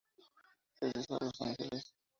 Regresó a Los Ángeles.